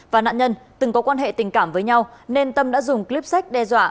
và nạn nhân từng có quan hệ tình cảm với nhau nên tâm đã dùng clip sách đe dọa